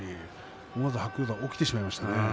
思わず白鷹山体が起きてしまいました。